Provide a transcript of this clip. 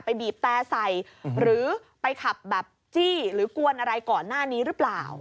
บีบแต่ใส่หรือไปขับแบบจี้หรือกวนอะไรก่อนหน้านี้หรือเปล่า